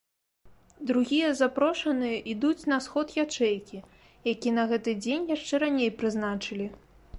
Другія запрошаныя ідуць на сход ячэйкі, які на гэты дзень яшчэ раней прызначылі.